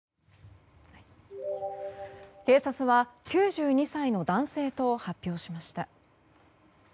警察は９２歳の男性と発表しました。